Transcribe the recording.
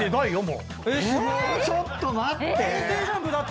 ⁉ちょっと待って！